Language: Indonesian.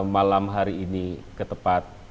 malam hari ini ke tempat